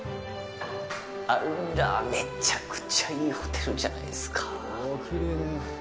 あら、めちゃくちゃいいホテルじゃないですか。